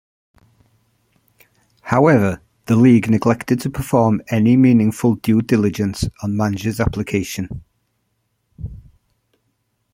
However, the league neglected to perform any meaningful due diligence on Manges' application.